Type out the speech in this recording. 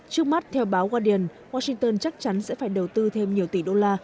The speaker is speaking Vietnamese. trước mắt theo báo guadian washington chắc chắn sẽ phải đầu tư thêm nhiều tỷ đô la